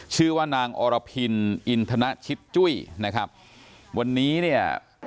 ชื่อว่านางอรพินอินทนชิดจุ้ยนะครับวันนี้เนี่ย